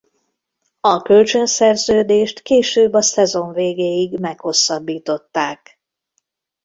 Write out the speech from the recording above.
A kölcsönszerződést később a szezon végéig meghosszabbították.